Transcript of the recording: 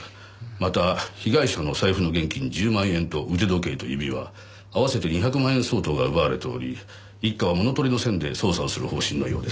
また被害者の財布の現金１０万円と腕時計と指輪合わせて２００万円相当が奪われており一課は物取りの線で捜査をする方針のようです。